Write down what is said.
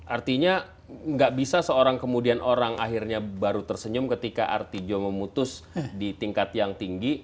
artinya nggak bisa seorang kemudian orang akhirnya baru tersenyum ketika artijo memutus di tingkat yang tinggi